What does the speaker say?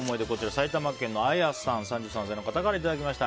埼玉県の３３歳の方からいただきました。